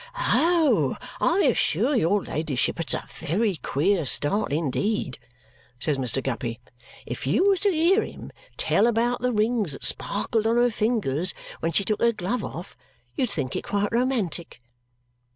"Oh, I assure your ladyship it's a very queer start indeed," says Mr. Guppy. "If you was to hear him tell about the rings that sparkled on her fingers when she took her glove off, you'd think it quite romantic."